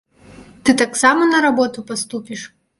Ты таксама на работу паступіш.